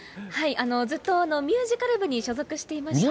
ずっとミュージカル部に所属していまして。